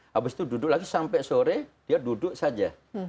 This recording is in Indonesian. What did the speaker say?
habis itu duduk lagi sampai sore dia duduk saja